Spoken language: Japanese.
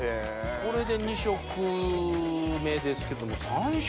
これで２色目ですけども３色。